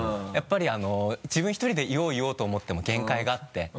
やっぱり自分１人で言おう言おうと思っても限界があって。